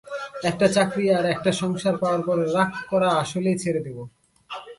একটা চাকরি আর একটা সংসার পাওয়ার পরে রাগ করা আসলেই ছেড়ে দেবো।